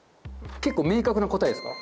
結構明確な答えですか？